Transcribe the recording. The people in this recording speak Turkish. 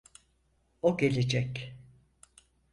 O gelecek.